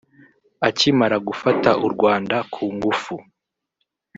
Akimara gufata u Rwanda ku ngufu